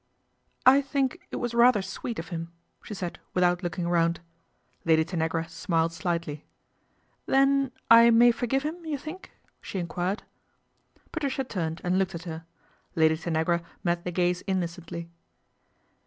" I think it was rather sweet of him," she said without looking round. Lady Tanagra smiled slightly. " Then I may forgive him, you think ?" she enquired. Patricia turned and looked ^t her. Lady Tanagra met the gaze innocently.